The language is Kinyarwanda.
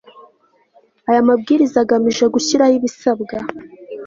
Aya mabwiriza agamije gushyiraho ibisabwa